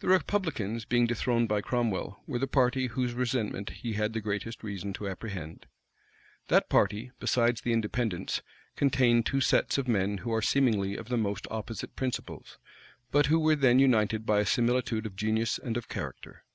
The republicans, being dethroned by Cromwell, were the party whose resentment he had the greatest reason to apprehend. That party, besides the Independents, contained two sets of men who are seemingly of the most opposite principles, but who were then united by a similitude of genius and of character.